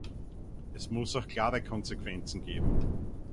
Es muss auch klare Konsequenzen geben.